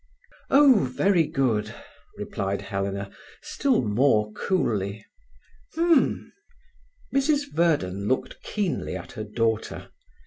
"Oh, very good," replied Helena, still more coolly. "H'm!" Mrs Verden looked keenly at her daughter.